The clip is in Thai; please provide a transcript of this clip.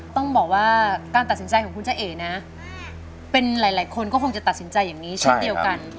ต้องบอกว่าการตัดสินใจของคุณเจ้าเอ๋นะเป็นหลายคนก็คงจะตัดสินใจอย่างนี้เช่นเดียวกัน